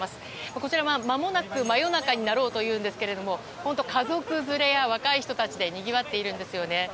こちらは、まもなく真夜中になろうというんですが家族連れや若い人たちで賑わっているんですよね。